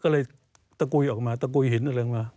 ก็เลยตะกุยออกมาตะกุยหินอะไรออกมา